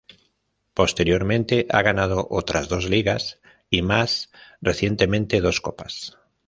Posteriormente ha ganado otras dos ligas, y más recientemente dos copas.